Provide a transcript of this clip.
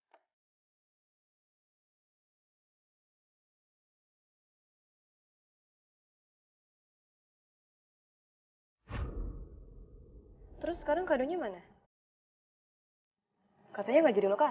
eh ulan ke mana lama banget